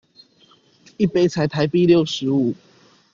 一杯才台幣六十五